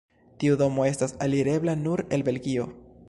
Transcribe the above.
Tiu domo estas alirebla nur el Belgio.